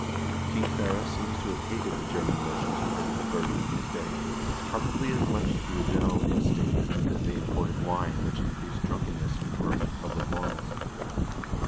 King Sverre seems to have hated the German merchants who visited Bergen in his day, probably as much through a general instinct as because they imported wine which increased drunken ness and corrupted public morals.